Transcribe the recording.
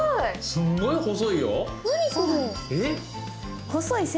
すんごい細いよ。